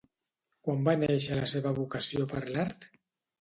Quan va néixer la seva vocació per l'art?